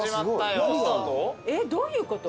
えっどういうこと？